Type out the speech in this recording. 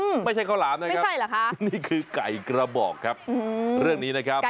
ไม่ใช่ข้าวหลามนะครับนี่คือไก่กระบอกครับเรื่องนี้นะครับอืม